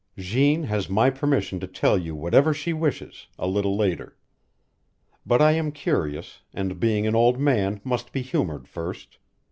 Jeanne has my permission to tell you whatever she wishes, a little later. But I am curious, and being an old man must be humored first.